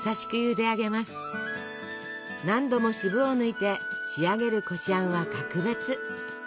何度も渋を抜いて仕上げるこしあんは格別。